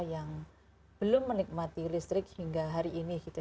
yang belum menikmati listrik hingga hari ini gitu